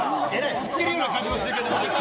振ってるような感じもします